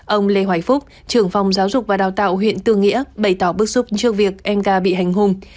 ông lê hoài phúc trưởng phòng giáo dục và đào tạo huyện tư nghĩa bày tỏ bức xúc trước việc em ga bị hành hung